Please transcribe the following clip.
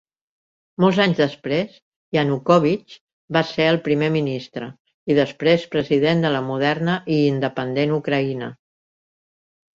Molts anys després, Yanukovych va ser el primer ministre i, després, president de la moderna i independent Ucraïna.